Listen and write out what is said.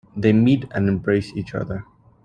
They meet and embrace each other.